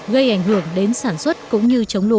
gây ảnh hưởng đến sản xuất cũng như chống lũ